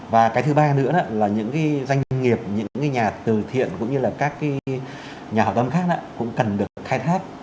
và cái thứ ba nữa là những cái doanh nghiệp những cái nhà từ thiện cũng như là các cái nhà hợp đồng khác cũng cần được khai thác